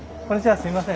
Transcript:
すみません